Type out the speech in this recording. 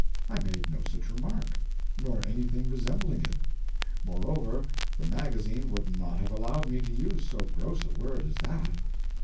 I made no such remark, nor anything resembling it. Moreover, the magazine would not have allowed me to use so gross a word as that.